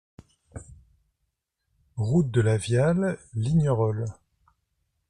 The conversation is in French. Route de la Viale, Lignerolles